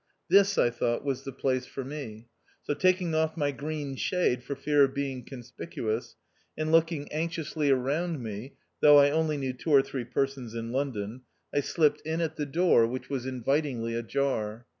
This I thought was the place for me; so taking off my green shade, for fear of being conspicuous, and looking anxiously around me, though I only knew two or three per sons in London, I slipped in at the door, 190 THE OUTCAST. which was invitingly ajar.